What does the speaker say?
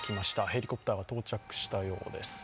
ヘリコプターが到着したようです。